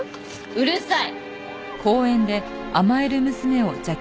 うるさい！